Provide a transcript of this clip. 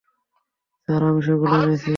Sir, আমি সেগুলো এনেছি।